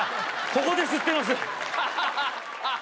ここで吸ってます！